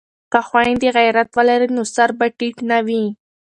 که خویندې غیرت ولري نو سر به ټیټ نه وي.